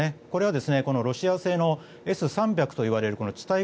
これはロシア製のＳ３００といわれる地